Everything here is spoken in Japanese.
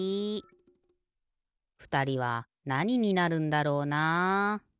ふたりはなにになるんだろうな。